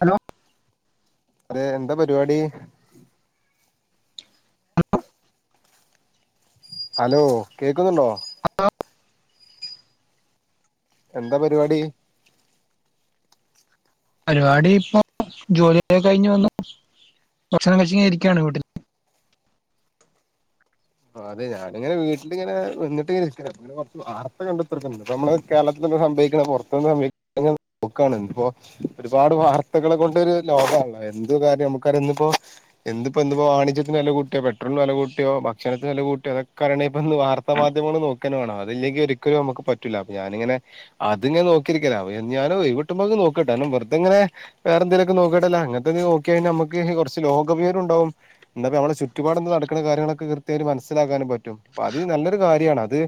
Hello അതേ, എന്താ പരിപാടി? ഹലോ കേൾക്കുന്നുണ്ടോ? എന്താ പരിപാടി? പരിപാടി ഇപ്പോ ജോലി ഒക്കെ കഴിഞ്ഞ വന്നു ഭക്ഷണം കഴച്ച് ഇരിക്കയാണ് വീട്ടിൽ അതെ ഞാനിങ്ങനെ വീട്ടിലിങ്ങനെ വന്നിട്ട് ഇരിക്ക [unintelligible] കൊറച്ച് വാർത്ത കണ്ടുത്തറ്ക്ക്ണ്ട്. ഇപ്പ നമ്മള് കേരളത്തില്‌പ്പ സംഭവിക്കണ പൊറത്തുന്ന് സംഭവ [unintelligible] പൊക്കാണ്, ഇന്നിപ്പോ ഒരുപാട് വാർത്തകളെ കൊണ്ട് ഒരു ലോകാണല്ല. എന്ത് കാര്യം നമുക്കറിയന്നിപ്പോ എന്ത് ഇപ്പോ ഇന്ന് പ്പോ വാണജ്യത്തിന് വെല കൂട്ടിയോ പെട്രോളിന് വെല കൂട്ടിയോ ക്ഷത്തിനെ വില കൂട്ടിയോ അതൊക്കെ അറിയണെങ്കിപ്പം വാർത്താമാധ്യമങ്ങൾ നോക്കന്നെ വേണം. അതില്ലെങ്കിൽ ഒരിക്കലും നമുക്ക് പറ്റൂല്ല. അപ്പൊ ഞാനിങ്ങനെ അതിങ്ങനെ നോക്കിരിക്കല [unintelligible] ഞാനും ഒഴിവിട്ടുമ്പോക്ക നോക്കട്ട. കാരണം വെറുതെങ്ങനെ വേറെ എന്തേലൊക്കെ നേക്കിട്ടല്ല, അങ്ങനത്തെ നോക്കിഴിഞ്ഞാ നമുക്ക് കുറച്ച് ലോക വിവരം ഉണ്ടാവും. എന്താപ്പ നമ്മളെ ചുറ്റുപാട് ഇന്ന് നടക്ക്ണ കാര്യങ്ങളൊക്കെ കൃത്യയിട്ട് മനസ്സിലാക്കാനും പറ്റും. പ്പ അത് നല്ലൊരു കാര്യാണ് അത്.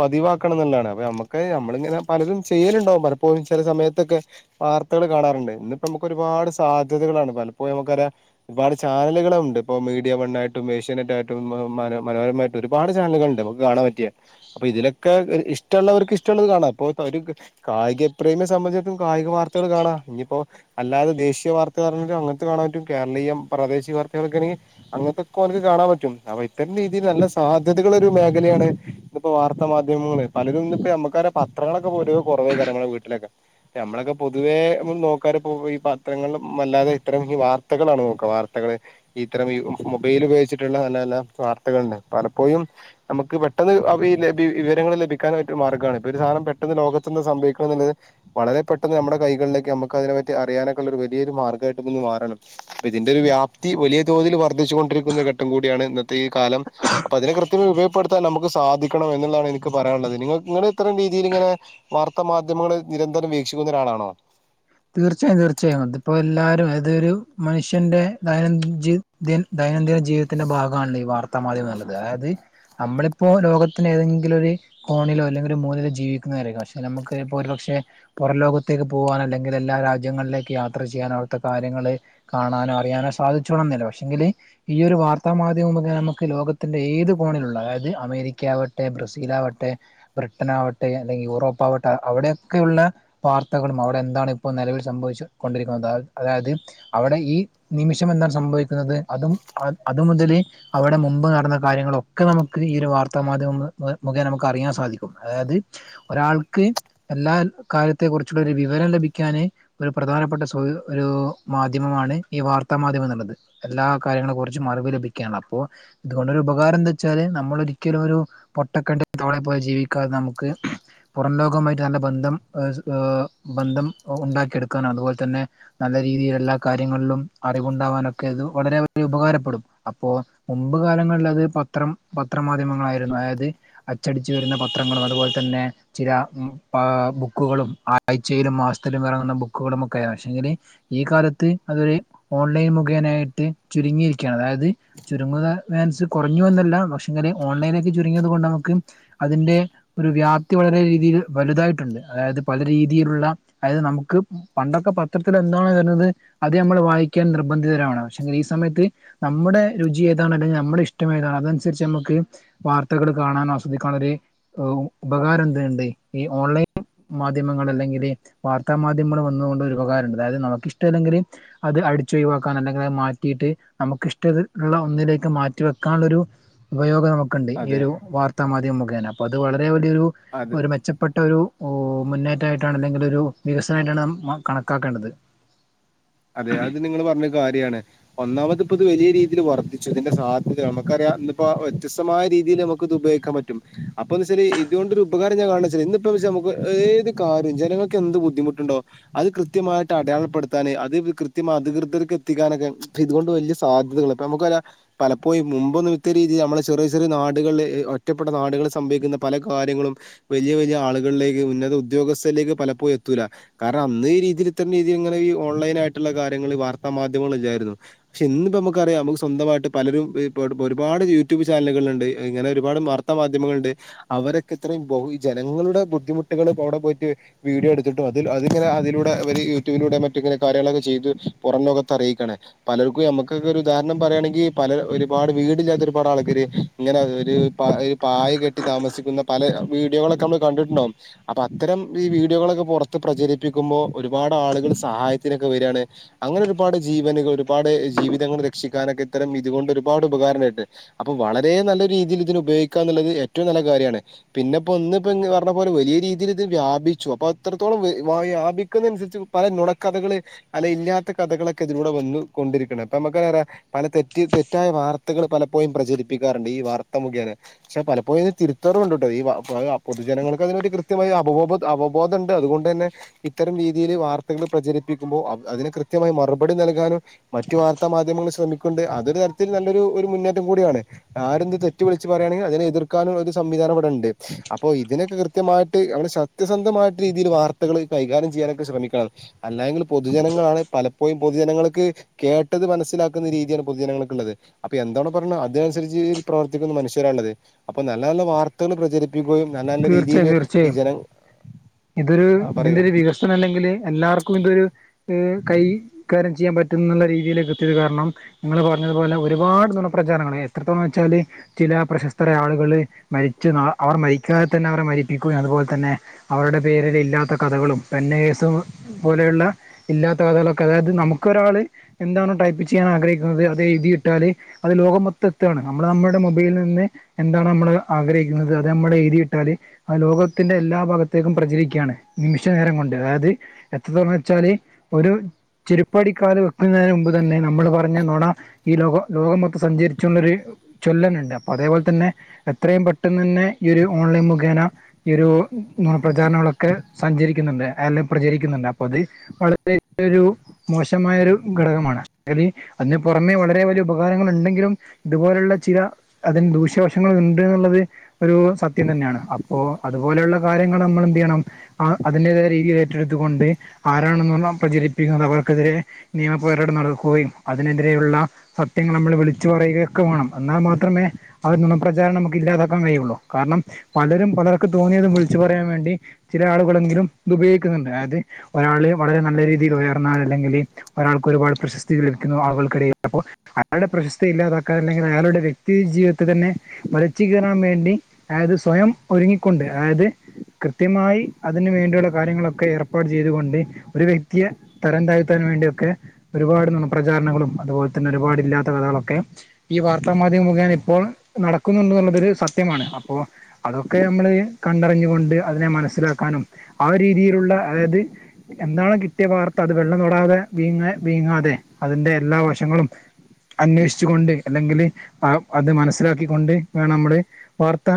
പതിവാക്കണം ന്ന്ള്ളേണ് അപ്പൊ നമ്മക്ക് നമ്മളിങ്ങനെ പലരും ചെയ്യലുണ്ടാകും പലപ്പോഴും ചില സമയത്തൊക്കെ വാർത്തകള് കാണാറുണ്ട്. ഇന്നിപ്പം നമുക്ക് ഒരുപാട് സാധ്യതകളാണ് പലപ്പോഴ നമുക്ക അറിയ ഒരുപാട് ചാനലുകളും ഉണ്ട്. ഇപ്പോ മീഡിയ വൺ ആയിട്ടും ഏഷ്യാനെറ്റ് ആയിട്ടും മര മനോരമായിട്ട് ഒരുപാട് ചാനല്കൾ ഉണ്ട് നമുക്ക് കാണാൻ പറ്റിയാ അപ്പൊ ഇതിലൊക്കെ ഒര് ഇഷ്ടള്ളവർക്ക് ഇഷ്ടള്ളത് കാണാം. അപ്പൊ തര്ക്ക് കായിക പ്രേമിയെ സംബന്ധിടത്തും കായിക വാർത്തകൾ കാണാം. ഇനിയിപ്പോ അല്ലാത ദേശീയ വാർത്തകൾ പറഞ്ഞിട്ട് അങ്ങൻത്തത് കാണാൻ പറ്റും. കേരളീയം പ്രദേശിക വാർത്തകളക്കെ ആണെങ്കിൽ അങ്ങൻത്തൊക്കെ ഓന്ക്ക് കാണാൻ പറ്റും. റ്റൻ രീതിയിൽ നല്ല സാധ്യതകളൊ ഒരു മേഖലയാണ് ഇപ്പോ വാർത്താ മാധ്യമങ്ങള്. പലരും ഇന്ന് ഇപ്പോ അമ്മക്കട പത്രങ്ങളൊക്കെ പോതുവെ കുറവയ്ക്കാരം നമ്മളെ വീട്ടിലൊക്കെ നമ്മളൊക്കെ പൊതുവേ ഇപം നോക്കാറ് ഇപ്പോ ഈ പത്രങ്ങളില് മല്ലാതെ ഇത്തരം ഈ വാർത്തകളാണ് നോക്ക വാർത്തകള്. ഇത്തരം ഈ മൊബൈൽ ഉപയോഗിച്ചിട്ടുള്ള നല്ല നല്ല വാർത്തകൾ ഉണ്ട്. പലപ്പോഴും നമുക്ക് പെട്ടെന്ന് [unintelligible] ഈ വിവരങ്ങൾ ലഭിക്കാനായിട്ട് ഒരു മാർഗാണ്. ഇപ്പൊ ഒരു സാനം പെട്ടെന്ന് ലോകത്ത നിന്ന് സംഭവിക്കണന്നുള്ളത് വളരെ പെട്ടെന്ന് നമ്മുടെ കൈകളിലേക്ക് നമുക്ക് അതിനെപ്പറ്റി അറിയാനക്കള്ളരു ഒരു വലിയരു മാർഗ്ഗായിട്ട് ഇതൊന്ന് മാറണം. ഇതിന്റെ ഒരു വ്യാപ്തി വലിയ തോതിൽ വർദ്ധിച്ചു കൊണ്ടിരിക്കുന്ന ഘട്ടം കൂടിയാണ് ഇന്നത്തെ ഈ കാലം. അപ്പൊ അതിനെ കൃത്യമായി ഉപയോഗപ്പെടുത്താൻ നമുക്ക് സാധിക്കണം എന്നുള്ളാണ് എനിക്ക് പറയാനുള്ളത്. നിങ്ങ ഇങ്ങള് ഇത്തം രീതിയില് ഇങ്ങനെ. വാർത്താ മാധ്യമങ്ങൾ നിരന്തരം വീക്ഷിക്കുന്ന ഒരാളാണോ? തീർച്ചയായും തീർച്ചയായും അത് ഇപ്പോഎല്ലാരും ഏതൊരു മനുഷ്യന്റെ ദയനൻ ജി ദിൽ ദൈനംദിന ജീവിതത്തിന്റെ ഭാഗാണല്ലോ ഈ വാർത്താ മാധ്യമംന്ന്ള്ളത്. അതായത്. നമ്മളിപ്പോ ലോകത്തിന് ഏതെങ്കിലും ഒര് കോണിലോ അല്ലെങ്കിൽ ഒരു മൂലയിലോ ജീവിക്കുന്ന വരായിരിക്കും പക്ഷെ നമ്മക്ക് ഒരു പക്ഷെ പുറം ലോകത്തേക്ക് പോവാൻ അല്ലെൻ ഇതെല്ലാ രാജ്യങ്ങളിലേക്ക് യാത്ര ചെയ്യാൻ അവിടുത്തെ കാര്യങ്ങള് കാണാനോ അറിയാനോ സാധിച്ചോണംന്നില്ല, പക്ഷെങ്കില്. ഈ ഒരു വാർത്താ മാധ്യമംന്ന്പറഞ്ഞാ നമ്മക്ക് ലോകത്തിന്റെ ഏത് പോണിലുള്ള അതായത് അമേരിക്ക ആവട്ടെ ബ്രസീൽ ആവട്ടെ. ബ്രിട്ടൻ ആവട്ടെ അല്ലെങ്കിൽ യൂറോപ്പ് ആവട്ടെ അവിടെയൊക്കെയുള്ള വാർത്തകളും അവിടെ എന്താണ് ഇപ്പോൾ നിലവിൽ സംഭവിച്ചു കൊണ്ടിരിക്കുന്നത അതായത് അവിടെ ഈ നിമിഷം എന്താണ് സംഭവിക്കുന്നത് അതും അത് മുതല്. അവിടെ മുമ്പ് നടന്ന കാര്യങ്ങളൊക്കെ നമുക്ക് ഈ ഒരു വാർത്താ മാധ്യമം മുഖേ നമുക്ക് അറിയാൻ സാധിക്കും അതായത്. ഒരാൾക്ക് എല്ലാ കാര്യത്തെ കുറിച് ഒരു വിവരം ലഭിക്കും. ക്കാന് ഒരു പ്രധാനപ്പെട്ട ഒരു മാധ്യമമാണ് ഈ വാർത്താ മാധ്യമം എന്നുള്ളത്. എല്ലാ കാര്യങ്ങളും കുറച്ചും അറിവ് ലഭിക്കുകയാണ് അപ്പോ ഇതുകൊണ്ടരു ഉപകാരം എന്താ വെച്ചാല് നമ്മള ഒരിക്കലും ഒരു. പൊട്ടക്കണ്ട് തോളെ പോലെ ജീവിക്കാൻനമുക്ക്. പുറം ലോകവമായിട്ട് നല്ല ബന്ധം ബന്ധം ഉണ്ടാക്കിയെടുക്കാനാണ് അതുപോലെ തന്നെ. നല്ല രീതിയിൽ എല്ലാ കാര്യങ്ങളിലും അറിവുണ്ടാകാനൊക്കെ അത് വളരെ വ ഉപകാരപ്പെടും. അപ്പോമുമ്പ് കാലങ്ങളിൽ അത് പത്രം പത്രമാധ്യമങ്ങളായിരുന്നു അതായത്. അച്ചടിച്ചു വരുന്ന പത്രങ്ങളും അതുപോലെ തന്നെ ചില ബുക്കുകളും ആഴ്ചയിലും മാസത്തിലും ഇറങ്ങുന്ന ബുക്കുകളും ഒക്കെ പക്ഷെങ്കില് ഈ കാലത്ത് അതൊരു ഓൺലൈൻ മുഖേനായിട്ട് ചുരുങ്ങിയിരിക്കയാണ് അതായത്. ചുരുങ്ങുക വാൻസ് കുറഞ്ഞു എന്നല്ല പക്ഷെ ഇങ്ങനെ ഓൺലൈനക്കക്ക് ചുരുങ്ങിയത്. കൊണ്ട് നമുക്ക് അതിന്റെ ഒരു വ്യാപ്തി വളരെ രീതിയിൽ വലുതായിട്ടുണ്ട് അതായത് പല രീതിയിലുള്ള. അതായത് നമുക്ക് പണ്ടൊക്കെ പത്രത്തിൽ എന്താണ് വരുന്നത്. അത് നമ്മൾ വായിക്കാൻ നിർബന്ധിതരാണ് പക്ഷെങ്കിൽ ഈ സമയത്ത്. നമ്മുടെ രുചി ഏതാണ് അല്ലെങ്കി നമ്മുടെ ഇഷ്ടം ഏതാണ് അതനുസരിച്ച് നമുക്ക് വാർത്തകള് കാണാൻ ആസ്വദിക്കാന ഒരു ഉപകാരം എന്തുണ്ട് ഈ ഓൺലൈൻ. മാധ്യമങ്ങൾ അല്ലെങ്കില് വാർത്താ മാധ്യമങ്ങൾ വന്നുകൊണ്ട് ഒരു ഉപകാരണ്ട് അതായത് നമുക്ക്ഷ്ടല്ലെങ്കിൽ. അത് അടിച്ചുൊഴിവാക്കാൻ അല്ലെങ്കിൽ അത് മാറ്റിയിട്ട് നമുക്ക് ഇഷ്ടള്ള ഒന്നിലേക്ക് മാറ്റി വെക്കാനുള്ളരു ഉപയോഗം നമുക്കുണ്ട് ഈ അതെ ഒരു വാർത്താ മാധ്യമം മുഖ താണ് അപ്പോ അത് വളരെ വലിയൊ അതെ ഒരു മെച്ചപ്പെട്ട ഒരു ഓ മുന്നേറ്റായിട്ടാണ് അല്ലെങ്കിൽ ഒരു വികസനമായിട്ടാണ് ന കണക്കാക്കേണ്ടത്. അതെ അത് നിങ്ങൾ പറഞ്ഞൊരു കാര്യണ് ഒന്നാമത്. ഇത് വലിയീതിൽ വർദ്ച് ഇതിന്റെ സാധ്യത നമക്കറിയാം. വ്യത്സ്തമായ രീതിൽ നമുക്കത് ഉപയോഗിക്കാൻ പറ്റും അപ്പോ എന്ന്ച്ചല് ഇതുകൊ ഒരു ഉപകാരം ഞാൻണ വച്ച ഇന്ന്. വെച്ച നമുക്ക് ഏത് കാര്യവും ജനങ്ങൾക്ക് എന്ത് ബുദ്ധിമുട്ടുണ്ടോ അത് കൃത്യമായിട്ട് അടയാളപ്പെടുത്താന്. ഇത് കൃത്യ അധികൃതർക്ക് എത്തിക്കാനൊക്കെ ഇതുകൊണ്ട് വലിയ സാധ്യതകൾ ഇപ്പ നമുക്ക്ല്ല. പലപ്പോഴും മുമ്പൊും ഇത്യ രീതിയിൽ നമ്മളെ ചെറിയ ചെറിയ നാടുകളിൽ ഒറ്റപ്പെട്ട നാടുകളിൽ സംഭവിക്കുന്ന പല കാര്യങ്ങളും. വലിയ വലിയ ആളുകളിലേക്ക് ഉന്നത ഉദ്യോഗസ്ഥലേക്ക് പലപ്പോഴും എത്തൂല. കാരണം അന്ന് ഈ രീതിയിൽ ഇത്രയും രീതിയിൽ ഇങ്ങെ ഓൺലൈൻ ആയിട്ടുള്ള കാര്യങ്ങൾ വാർത്താ മാധ്യമങ്ങള ഇല്ലായിരുന്നു. പക്ഷെ ഇന്നിപ്പോ നമുക്കറിയ നമുക്ക് സ്വന്തമായിട്ട് പലരും ഇ ഒരുപാട് യൂട്യൂബ് ചാനലുകള്ണ്ട് ഇങ്ങനെ ഒരുപാട് മർ മാധ്യമങ്ങളുണ്ട് അവരൊക്കെ ഇത്രയും ജനങ്ങളുടെ ബുദ്ധിമുട്ടുകൾ അവിടെ പോയിട്ട് വീഡിയോ എടുത്തിട്ടും അതി അത്ങ്ങന അതിലൂ യൂട്യൂബിലൂടെ മറ്റങ്ങെ കാര്യങ്ങളൊക്കെ. ചെയ്ത് പുറം ലോകത്ത് അറിയിക്കണേ പലർക്കും മ്മക്കൊക്കെ ഒരു ഉദാഹരണം പറുകയാണെങ്കി പല ഒരുപാട് വീടില്ലാത്ത ഒരുപാട് ആൾക്കാര്. ഇങ്ങനെ ഒരു പ ഒരു പായ കെട്ടി താമസിക്കുന്ന പല വീഡിയോകളൊക്കെ നമ്മള് കണ്ടിട്ടുണ്ടോ അപ്പൊ അത്തരം ഈ വീഡിയോകളൊക്കെ പുറത്ത് പ്രചരിപ്പിക്കുമ്പോ ഒരുപാട് ആളുകൾ സഹായത്തിനൊക്കെ വരാണ്. അങ്ങനെ ഒരുപാട് ജീവനുകൾ ഒരുപാട് ജീവിതങ്ങൾ രക്ഷിക്കാനൊക്കെ ഇത്തരം ഇതുകൊണ്ട് ഒരുപാട് ഉപകാര ണ്ടായിട്ട്. അപ്പൊ വളരെ നല്ല രീതിയിൽ ഇതിന് ഉപയോഗിക്കാ എന്നുള്ളത് ഏറ്റവും നല്ല കാര്യണ്. പിന്നെപ്പോ ഒന്ന ഇപ്പ പറഞ്ഞ പോലെ വലിയ രീതിയിൽ ഇത് വ്യാപിച്ചു അപ്പൊ അത്രത്തോളം വ വ്യാപിക്കുന്ന അനുസരിച്ച്. പല നുണക്കഥകള് അല്ല ഇല്ലാത്ത കഥകളൊക്കെ ഇതിലൂടെ വന്ന കൊണ്ടിരിക്കണ അപ്പൊ നമുക്ക് പറ പല തെറ്റ് തെറ്റായ വാർത്തകള് പലപ്പോഴും പ്രചരിപ്പിക്കാറുണ്ട് ഈ വാർത്ത മുഖേന പക്ഷെ പലപ്പോഴും ഇത് തിരുത്തറവുണ്ട കേട്ടോ ഈ പൊതുജനങ്ങൾക്ക് അതിനൊരു കൃത്യ അവബോധം ഉണ്ട് അുകൊണ്ടന്നെ ഇത്തരം രീതിയിൽ വാർത്തകൾ പ്രചരി അതിന് കൃത്യമായി മറുപടി നൽകാനും മറ്റു വാർത്താ മാധ്യമങ്ങൾ ശ്രമിക്കും ണ്ട് അതൊരു തരത്തിൽ നല്ലൊരു ഒരു മുന്നേറ്റം കൂടിയാണ് ആരെന്ത് തെറ്റു വിളിച്ച് പറയുകയാണെങ്കി അതിനെ എതിർക്കാനുള്ള ഒരു സംവിധാന ഇവിടെ ഉണ്ട് അപ്പോ ഇതിനൊക്കെ കൃ സത്യമായിട്ട് സത്യസന്ധമായിട്ട് രീതിയിൽ വാർത്തകള് കൈകാര്യം ചെയ്യാനൊക്കെ ശ്രമിക്കണം അല്ലെ യങ്കിൽ പൊതുജനങ്ങളാണ് പല പ്പൊയ് പൊതുജനങ്ങൾക്ക് കേട്ടത് മനസ്സിലാക്കുന്ന രീതിയാണ് പൊതുജനങ്ങൾക്ക്ള്ളത് അപ്പൊ എന്താണോ പറഞ്ഞത് അതിനനുസരിച്ച് പ്രവർത്തിക്കുന്ന മനുഷ്യരാള്ളത് അപ്പൊ നല്ല നല്ല വാർ ത്തകൾ പ്രചരിപ്പിക്കുകയും നല്ല നല്ല രീതിയില് തീർച്ചയായും ഈ തീർച്ചയായും ജനം ഇതൊരു ആ ഇതിന്റെ പറയൂ ഒരു വികസനം അല്ലെങ്കിൽ എല്ലാവർക്കും ഇതൊരു ത് കൈ കാര്യം ചെയ്യാൻ പറ്റും ന്നുള്ള രീതിയിലേക്ക് എത്തിയത് കാരണം നിങ്ങള് പ്പൊ പറഞ്ഞതുപോലെ ഒരുപാട് നുണപ്രചാരങ്ങള് എത്രത്തോളം വെച്ചാല് ചില പ്രശസ്തര ആളുകള് മരിച്ച് നാ അവർ മരി ക്കാതെ തന്നെ അവരെ മരിപ്പിക്കുകയും അതുപോലെ തന്നെ അവരുടെ പേരില് ഇല്ലാത്ത കഥകളും പെന്നേഴ്സും പോലെയുള്ള ഇല്ലാത്ത കഥകളൊക്കെ അതായത് നമുക്കൊരാള് എന്താണോ ടൈപ്പ് ചെയ്യാൻ ആഗ്രഹിക്കുന്നത് അതെഴ്തിവിട്ടാല് അത് ലോകം മൊത്തം എത്താണ് നമ്മൾ നമ്മുടെ മൊബൈല് നിന്ന് എന്താണ് നമ്മള് ആഗ്രഹിക്കുന്നത് അത് നമ്മുടെ എയ് തിട്ടാല് ആ ലോകത്തിന്റെ എല്ലാ ഭാഗത്തേക്കും പ്രചരിക്കയാണ് നിമിഷ നേരം കൊണ്ട് അതായത് എത്രതോണ വെച്ചാല് ഒരു ചെരുപ്പടിക്കാല് വെക്കുന്നതിന് മുമ്പ് തന്നെ നമ്മള് പറഞ്ഞ നൊണ ഈ ലോക ലോക മൊത്തം സഞ്ചരിച്ചുന്നര് ചൊല്ലെന്നെണ്ട് അപ്പൊ അതേപോലെ തന്നെ എത്രയും പെട്ടെന്നന്നെ ഈ ഒരു ഓൺലൈൻ മുഖേന ഈ ഒരു നൊണ പ്രചാരണങ്ങളൊക്കെ സഞ്ചരിക്കുന്നുണ്ട് അല്ലെ പ്രചരിക്കുന്നുണ്ട് അപ്പൊത് വളരെ ഒരു മോശമായ ഒരു ഘടകമാണ് അര് അതിന് പുറമെ വളരെ വലിയ ഉപകാരങ്ങൾ ഉണ്ടെങ്കിലും ഇതുപോലുള്ള ചില അതിന് ദൂഷ്യവശങ്ങളുണ്ട് ന്നുള്ളത് ഒരു സ ത്യം തന്നെയാണ് അപ്പോ അതുപോലെയുള്ള കാര്യങ്ങൾ നമ്മൾ എന്തെയ്യണം ആ അതിന്റേതായ രീതിയിൽ ഏറ്റെടുത്തുകൊണ്ട് ആരാണൊ നുണ പ്രചരിപ്പിക്കുന്നത് അവർക്കെതിരേ നിയമപോരാട്ടം നടക്കുകയും അതിനെതിരെയുള്ള സത്യങ്ങൾ നമ്മൾ വിളിച്ചു പറയുകയൊക്കെ വേണം എന്നാൽ മാത്രമേ ആ ഒരു നുണപ്രചാരണം നമുക്ക് ഇല്ലാതാക്കൻ കഴിയുള്ളൂ കാരണം പലരും പലർക്ക് തോന്നിയത് വിളിച്ചു പറയാൻ വേണ്ടി ചില ആളുകളെങ്കിലും ഇതു ഉപയോഗിക്കുന്നുണ്ട് അതായത് ഒരാള് വളരെ നല്ല രീതിൽ ഉയർന്നാൽ അല്ലെങ്കില് ഒരാൾക്ക് ഒരുപാട് പ്രശസ്തി ലഭിക്കുന്നു ആളുകൾക്കിടയിൽ അപ്പോ അയാളുടെ പ്രശസ്തി ഇല്ലാതാക്കാൻ അല്ലെങ്കിൽ അയാളുടെ വ്യക്തി ജീവിത തന്നെ വലച്ചു കീറാൻ വേണ്ടി അതായത് സ്വയം ഒരുങ്ങിക്കൊണ്ട് അതായത് കൃത്യമായി അതിന് വേണ്ടിയുള്ള കാര്യങ്ങളൊക്കെ ഏർപ്പാട് ചെയ്തുകൊണ്ട് ഒരു വ്യക്തിയെ തരം താഴ്ത്താൻ വേണ്ടിയൊക്കെ ഒരുപാട് നുണ പ്രചാരണങ്ങളും അതുപോലെ തന്നെ ഒരുപാട്ല്ലാത്ത കഥകളൊക്കെ ഈ വാർത്താമാധ്യമം മുഖേന ഇപ്പോൾ നടക്കുന്നുണ്ട് എന്നുള്ളതൊരു സത്യമാണ് അപ്പോ അതൊക്കെ മ്മള് കണ്ടറിഞ്ഞുകൊണ്ട് അതിനെ മനസ്സിലാക്കാനും ആ ഒരീതിയിലുള്ള അതായത് എന്താണോ കിട്ടിയ വാർത്ത അത് വെള്ളം തൊടാതെ വീങ്ങ വീങ്ങാതെ അതിന്റെ എല്ലാ വശങ്ങളും അന്വേഷിച്ചുകൊണ്ട് അല്ലെങ്കില് അത് മനസ്സിലാക്കിക്കൊണ്ട് വേണനമ്മള് ത്ത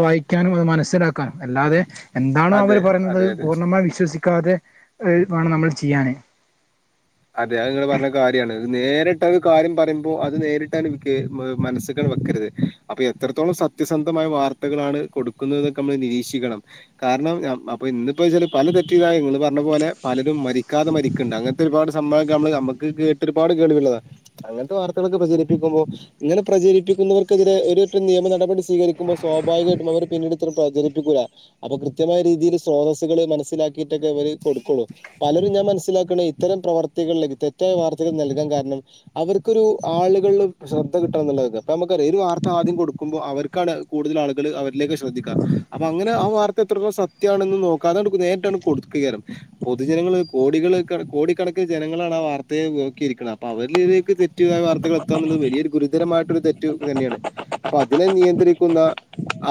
വായിക്കാനും അത് മനസ്സിലാക്കാനും അല്ലാതെ എന്താണോ അവര് അതെ പറയുന്നത് അതെ അതെ പൂർണ്ണമായി വിശ്വസിക്കാതെ വേണം നമ്മൾ ചെയ്യാന് അതെ അത് ങ്ങള് പറഞ്ഞ കാര്യണ് നേരിട്ട ഒരു കാര്യം പറയുമ്പോ അത് നേരിട്ടാണ്ട് മനസ്സ്ക്കാണ്ട് വെക്കരുത് അപ്പൊ എത്രത്തോളം സത്യസന്ധമായ വാർത്തകളാണ് കൊടുക്കുന്നതൊക്കെ നമ്മൾ നിരീക്ഷിക്കണം കാരണം അപ്പൊ ഇന്നപ്പോ വെച്ചാല് പല തെറ്റിയ ഇതായ നിങ്ങള് പറഞ്ഞ പോലെ പലരും മരിക്കാതെ മരിക്ക്ണ്ട് അങ്ങനത്തെ ഒരുപാട് സമ്പവൊക്കെ നമ്മള് നമ്മക്ക് കേട്ടരുപാട് കേൾവിള്ളതാണ് അങ്ങനത്തെ വാർത്തകളൊക്കെ പ്രചരി പ്പിക്കുമ്പോ ഇങ്ങനെ പ്രചരിപ്പിക്കുന്നവർക്കെതിരെ ഒരട്ടം നിയമ നടപടി സീകരിക്കുമ്പോ സ്വാഭാവികായിട്ടും അവര് പിന്നീടിത്ര പ്രചരിപ്പിക്കൂല. അപ്പൊ കൃത്യമായ രീതിയില് സ്രോതസ്സ്കള് മനസ്സിലാക്കിയിട്ടൊക്കെവര് കൊടുക്കുള്ളൂ. പലരും ഞാൻ മനസ്സിലാക്ക്ണ ഇത്തരം പ്രവർത്തികളിലെ തെറ്റായ വാർത്തകൾ നൽകാൻ കാരണം അവർക്കൊരു ആളുകളില് ശ്രദ്ധ കിട്ടണന്ന്ള്ളത പ്പൊമ്മക്കറിയാ ഒരു വാർത്ത ആദ്യം കൊടുക്കുമ്പോ അവർക്കാണ് കൂടുതൽ ആളുകൾ അവരിലേക്ക് ശ്രദ്ധിക്കുക. അപ്പൊ അങ്ങനെ ആ വാർത്ത എത്രത്തോളം സത്യാണെന്ന് നോ ക്കാതെ നേരിട്ടാണ്ട് കൊടുക്കെയ്കാരം പൊതുജനങ്ങള് കോടികള് കണ് കോടിക്കണ ക്ക്ന് ജനങ്ങളാണ് ആ വാർത്തയെ നോക്കിയിരിക്ക്ണെ അപ്പൊ അവരിലേക്ക് തെറ്റുള്ള വാർത്തകൾ എത്ത എന്നുള്ളത് വലിയൊരു ഗുരുതരമായിട്ടൊരു തെറ്റ് തന്നെയാണ്. അപ്പൊ അതിനെ നിയന്ത്രിക്കുന്ന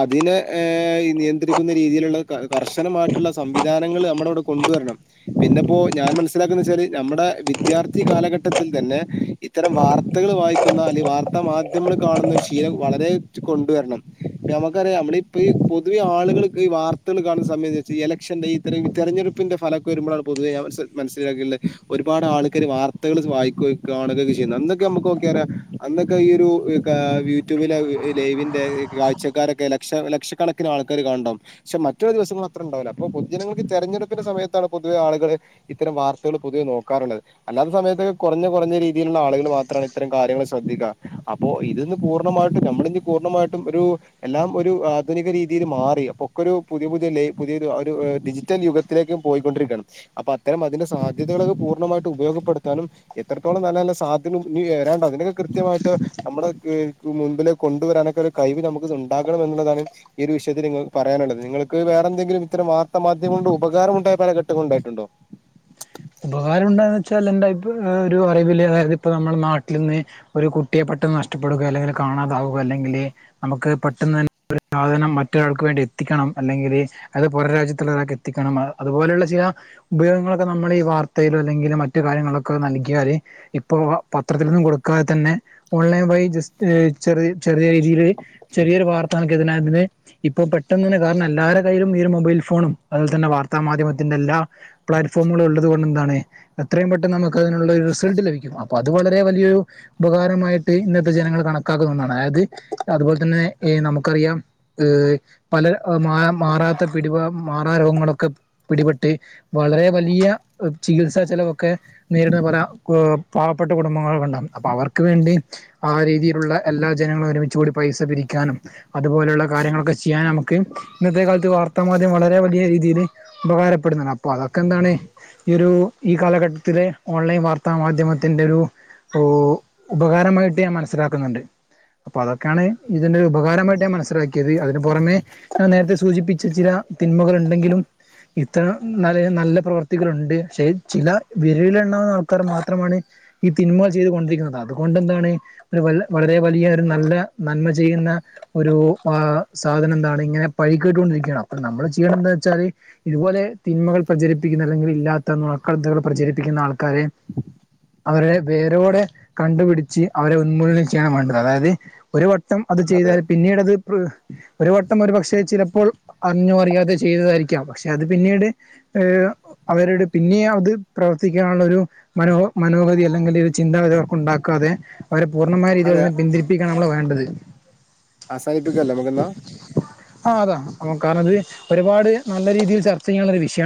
അതിനെ ഏഹ് നിയന്ത്രിക്കുന്ന രീതിയിലുള്ള കർശനമായിട്ടുള്ള സംവിധാനങ്ങൾ നമ്മടെവടെ കൊണ്ടുവരണം. പിന്നെപ്പോ ഞാൻ മനസ്സിലാക്കുന്ന വച്ചാല് നമ്മുടെ വിദ്യാർത്ഥി കാലഘട്ടത്തിൽ തന്നെ ഇത്തരം വാർ ത്തകള് വായിക്കുന്ന അല്ലെ വാർത്താ മാധ്യമങ്ങൾ കാണുന്ന ഒരു ശീലം വളരെ കൊണ്ടുവരണം. ഇപ്പ നമ്മക്കറിയാ നമ്മളിപ്പി ഈ പൊതുവെ ആള്കൾക്ക് ഈ വാർത്തകള് കാണുന്ന സമയെന്താച്ചാ എലക്ഷന്റെ ഈ [unintelligible] തെരെഞ്ഞെടുപ്പിന്റെ ഫലൊക്കെ വരുമ്പളാണ് പൊതുവെ ഞാൻ മൻസി മനസ്സിലാക്കിള്ളത്. ഒരുപാട് ആൾക്കാര് വാർത്തകൾ വായിക്കുകയും കാണുകയൊക്കെ ചെയ്യുന്നാ. ഇന്നൊക്കെ നമ്മക്ക് നോക്കിയാറിയാ. അന്നൊക്കെ ഈ ഒരു കാ യൂട്യൂബിലെ ലൈവിന്റെ കാഴ്ചക്കാരൊക്കെ ലക്ഷ ലക്ഷക്കണ ക്ക്നാൾക്കാര് കാണ് ണ്ടാവും ക്ഷെ മറ്റ്ള്ള ദിവസങ്ങള് അത്ര ഇണ്ടാവൂല. അപ്പൊ പൊതുജനങ്ങൾക്ക് തെരെഞ്ഞെടുപ്പ്ന്റെ സമയത്താണ് പൊതുവെ ആളുകള് ഇത്തരം വാർ ത്തകള് പൊതുവെ നോക്കാറുള്ളത്. അല്ലാത്ത സമയത്തൊക്കെ കുറഞ്ഞ കുറഞ്ഞ രീതിയിലുള്ള ആളുകള് മാത്രാണ് ഇത്തരം കാര്യങ്ങൾ ശ്രദ്ധിക്കാ. അ പ്പൊ ഇത് ന്ന് പൂർണ്ണമായിട്ടും ഞമ്മള് ന്ന് പൂർണ്ണമായിട്ടും ഒരു എല്ലാം ഒരു ആധുനിക രീതിയിൽ മാറി. അപ്പൊ ഒക്കെ ഒരു പുതിയ പുതിയ ലയ് പുതിയ ഡിജിറ്റൽ യുഗ ത്തിലേക്ക് പോയിക്കൊണ്ടിരിക്കാണ്. അപ്പൊ അത്തരം അതിന്റെ സാധ്യതകളൊക്കെ പൂർണ്ണമായിട്ട് ഉപയോഗപ്പെടുത്താനും. എത്രത്തോളം നല്ല നല്ല സാധ്യത ഇനി വരാണ്ട് അതിനൊക്കെ കൃത്യമായിട്ട് നമ്മുടെ ക് ക് മുമ്പിലത് കൊണ്ടുവരാനൊക്കൊര് കഴിവ് നമുക്കത് ഉണ്ടാകണം എന്നുള്ളതാണ്. ഈ ഒരു വിഷയത്തില് നിങ്ങൾ പറയാനുള്ളത്. നിങ്ങൾക്ക് വേറെന്തങ്കിലും ഇത്തരം വാർത്താമാധ്യമം കൊണ്ട് ഉപകാരമുണ്ടായ പല ഘട്ടങ്ങളുണ്ടാ യിട്ടുണ്ടോ? ഉപകാരം ഉണ്ടോന്ന് വെച്ചാൽ എന്റെ അഭി ഒരു അറിവില് അതായത് ഇപ്പ നമ്മുടെ നാട്ടില് ന്ന്. ഒരു കുട്ടിയെ പെട്ടെന്ന് നഷ്ടപ്പെടുക അല്ലെങ്കിൽ കാണാതാവുക അല്ലെങ്കില്. നമുക്ക് പെട്ടെന്ന് തന്നെ ഒര് സാധനം മറ്റൊരാൾക്ക് വേണ്ടി എത്തിക്കണം. അല്ലെങ്കില്, അത് പുറം രാജ്യത്തുള്ള ഒരാക്കെത്തിക്കണം അതുപോലെയുള്ള ചില ഉപയോഗങ്ങളൊക്കെ ന നമ്മളീ വാർത്തയിലോ അല്ലെങ്കില് മറ്റ് കാര്യങ്ങളിലൊക്കെ നൽകിയാല്. ഇപ്പൊ പത്രത്തിലൊന്നും കൊടുക്കാതെ തന്നെ ഓൺലൈൻ വഴി ജസ് ഏഹ് ചെറി ചെറിയ രീതിയില് ചെറിയൊരു വാർത്ത നൽകിയതിന് അതിന്. ഇപ്പൊ പെട്ടെന്ന് തന്നെ കാരണം, എല്ലാരെ കയ്യിലും ഈയൊരു മൊബൈൽ ഫോണും, അതുപോലെ തന്നെ വാർത്താ മാധ്യമത്തിന്റെ എല്ലാ ഫോമുകളും ഉള്ളത് കൊണ്ട് എന്താണ്, എത്രയും പെട്ടെന്ന് നമുക്ക് അതിനുള്ള ഒരു റിസൾട്ട് ലഭിക്കും. അപ്പൊ അത് വളരെ വലിയൊരു ഉപകാരമായിട്ട് ഇന്നത്തെ ജനങ്ങൾ കണക്കാക്കുന്ന ഒന്നാണ്. അതായത് അതുപോലെ തന്നെ ഏഹ് നമുക്കറിയാം. ഏഹ് പല മാ മാറാത്ത പിടിമാ മാറാ രോഗങ്ങളൊക്കെ പിടിപെട്ട് വളരെ വലിയ ചികിത്സാ ചെലവൊക്കെ. നേരിടുന്ന പല പാവപ്പെട്ട കുടുംബങ്ങളൊക്കെണ്ടാവും. അപ്പൊ അവർക്ക് വേണ്ടി ആ രീതിയി ലുള്ള എല്ലാ ജനങ്ങളും ഒരുമിച്ച് കൂടി പൈസ പിരിക്കാനും അതുപോലെയുള്ള കാര്യങ്ങളൊക്കെ ചെയ്യാനും നമുക്ക്. ഇന്നത്തെ കാലത്ത് വാർത്താമാധ്യം വളരെ വലിയ രീതിയിൽ ഉപകാരപ്പെടുന്നാണ്. അപ്പൊ അതൊ ക്കെന്താണ് ഈ ഒരു ഈ കാലഘട്ടത്തിലെ ഓൺലൈൻ വാർത്താ മാധ്യമത്തിന്റൊരു ഊ ഉപകാരമായിട്ട് ഞാൻ മനസ്സിലാക്കുന്നുണ്ട്. അപ്പൊ അതൊക്കെയാണ് ഇതിന്റെ ഒരു ഉപകാരമായിട്ട് ഞാൻ മനസ്സിലാക്കിയത്. അതിന് പുറമെ ഞാൻ നേരത്തെ സൂചിപ്പിച്ച ചില തിന്മകള്ണ്ടെങ്കിലും ഇത്ര ന [unintelligible] നല്ല പ്രവർത്തികളുണ്ട്. പക്ഷെ ചില വിരലിലെണ്ണാവുന്ന ആൾക്കാർ മാത്രമാണ്. ഈ തിൻമകൾ ചെയ്ത് കൊണ്ടിരിക്കുന്നത്. അതുകൊണ്ടെന്താണ്? ഒരു വൽ വളരെ വലിയ ഒരു നല്ല നന്മ ചെയ്യുന്ന ഒരു ആഹ് സാധനം എന്താണ് ഇങ്ങനെ പഴികേട്ടു കൊണ്ടിരിക്കയാണ്. അപ്പൊ നമ്മളും ചെയ്യണ്ടെന്താ വെച്ചാല്. ഇതുപോലെ തിന്മകൾ പ്രചരിപ്പിക്കുന്ന അല്ലെങ്കിൽ ഇല്ലാത്ത നുണക്കഥകൾ പ്രചരിപ്പിക്കുന്ന ആൾക്കാരെ അവരെ വേരോടെ കണ്ടുപിടിച്ച് അവരെ ഉന്മൂലനം ചെയ്യാണ് വേണ്ടത്. അതായത് ഒരു വട്ടം അത് അതെ ചെയ്താൽ പിന്നീട് അത് ഒരു വട്ടം ഒരു പക്ഷെ ചിലപ്പോൾ അറിഞ്ഞോ അറിയാതെ ചെയ്തതായിരിക്കാം. പക്ഷെ അത് പിന്നീട് ഏഹ് അവരോട് പിന്നെ അത് പ്രവർത്തിക്കാനുള്ളൊരു മനോ മനോഗതി അല്ലെങ്കിൽ ഒരു ചിന്താഗതി അവർക്കുണ്ടാക്കാതെ അവരെ പൂർണ്ണമായ രീതിയിൽ അതെ അതിനെ പിന്തിരിപ്പിക്കാണ് നമ്മള് വേണ്ടത്. അവസാനിപ്പിക്കുവല്ലേ നമുക്ക് ന്നാ ആഹ്. കാണാ. അത് കാര്ണത് ഒരുപാട് നല്ല രീതിയിൽ ചർച്ച ചെയ്യാൻള്ളൊര് വിഷയാ